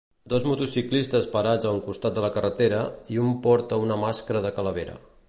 Dos motociclistes parats a un costat de la carretera, i un porta una màscara de calavera.